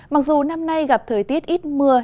mặc dù năm nay gặp thời tiết ít mưa